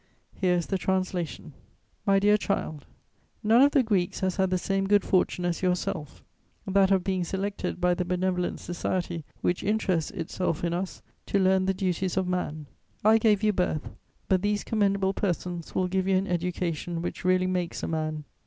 Here is the translation: "MY DEAR CHILD, "None of the Greeks has had the same good fortune as yourself: that of being selected by the benevolent society which interests itself in us to learn the duties of man. I gave you birth; but these commendable persons will give you an education which really makes a man.